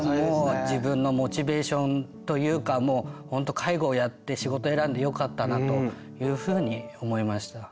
もう自分のモチベーションというか本当介護をやって仕事を選んでよかったなというふうに思いました。